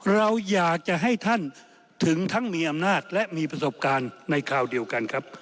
เราอยากจะให้ท่านถึงทั้งมีอำนาจและมีประสบการณ์ในคราวเดียวกันครับ